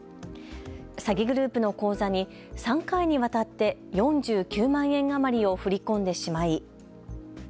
詐欺グループの口座に３回にわたって４９万円余りを振り込んでしまい。